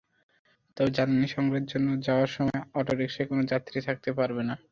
তবে জ্বালানি সংগ্রহের জন্য যাওয়ার সময় অটোরিকশায় কোনো যাত্রী থাকতে পারবে না।